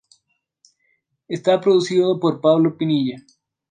Está producido por Pablo Pinilla.